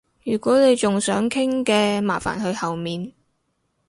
如果你仲想傾嘅，麻煩去後面